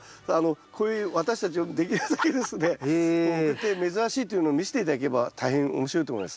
こういう私たちにできるだけですね送って珍しいというのを見せて頂ければ大変面白いと思います。